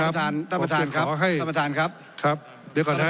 ท่านประชาญท่านประชาญครับท่านประชาญครับครับเดี๋ยวก่อน